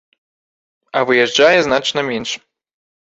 А выязджае значна менш.